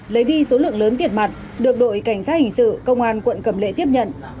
lấy đi số lượng lớn tiền mặt được đội cảnh sát hình sự công an quận cầm lệ tiếp nhận